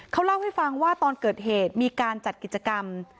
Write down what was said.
เขาเล่าให้ฟังว่าตอนเกิดเหตุมีการจัดกิจกรรม